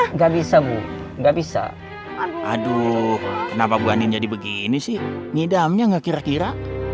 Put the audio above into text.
enggak bisa bu nggak bisa aduh kenapa bu anin jadi begini sih nyidamnya nggak kira kira